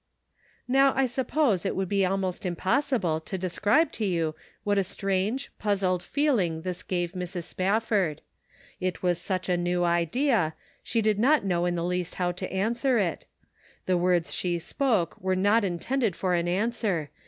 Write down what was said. Now, I suppose it would be almost impos sible to describe to you what a strange, puzzled feeling this gave Mrs. Spafford. It was such a new idea, she did not know in the least how to answer it. The words she spoke were not intended for an answer.